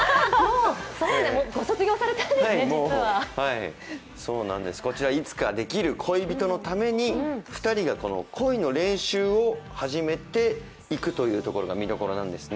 ご卒業されたんですね、実はこちらいつかできる恋人のために２人が恋の練習を始めていくというところが見どころなんですね。